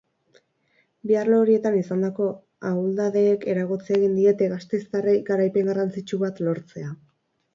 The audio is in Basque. Bi arlo horietan izandako ahuldadeek eragotzi egin diete gasteiztarrei garaipen garrantzitsu bat lortzea.